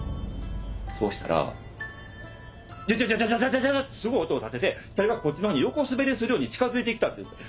そしたらジャジャジャジャジャジャってすごい音を立てて死体がこっちの方に横滑りするように近づいてきたんです。